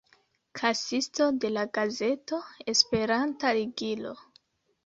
Kasisto de la gazeto Esperanta Ligilo.